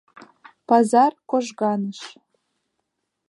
Пазар кожганыш.